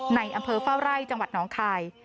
ในอำเภอเฝ้าไร่จังหวัดน้องคาย